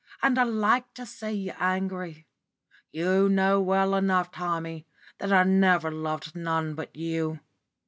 And I like to see you angry. You know well enough, Tommy, that I never loved none but you.